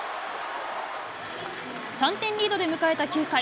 ３点リードで迎えた９回。